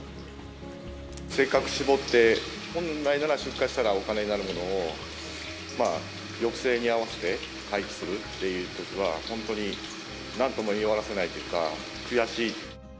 せっかく搾って、本来なら出荷したらお金になるものを、抑制に合わせて廃棄するっていうことは、本当になんとも言い表せないというか、悔しい。